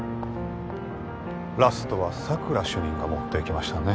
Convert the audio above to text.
ラストは佐久良主任が持っていきましたね